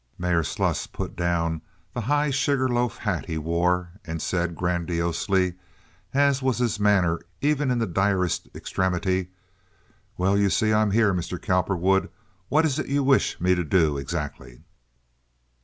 Mayor Sluss put down the high sugar loaf hat he wore and said, grandiosely, as was his manner even in the direst extremity: "Well, you see, I am here, Mr. Cowperwood. What is it you wish me to do, exactly?"